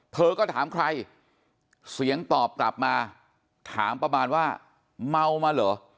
เธอก็ถามใครเสียงตอบกลับมาถามประมาณว่าเมามาเหรอ